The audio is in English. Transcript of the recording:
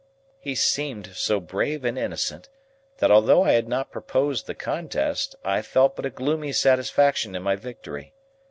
He seemed so brave and innocent, that although I had not proposed the contest, I felt but a gloomy satisfaction in my victory.